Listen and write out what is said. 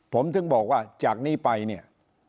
ผมถึงบอกว่าจากนี้ไปเนี่ย